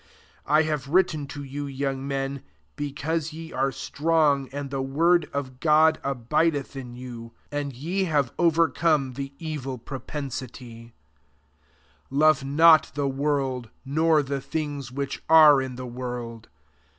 I have vritten to you, young men, be :ause ye are strong, and the word of God abideth in you. and ye have overcome the evil firofienaity* 15 Love not the world, nor the things which are in the world.